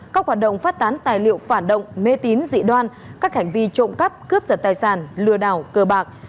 các hoạt động phát tán tài liệu phản động mê tín dị đoan các hành vi trộm cắp cướp giật tài sản lừa đảo cờ bạc